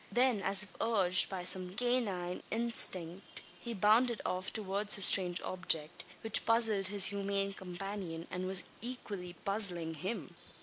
Then, as if urged by some canine instinct, he bounded off towards the strange object, which puzzled his human companion, and was equally puzzling him.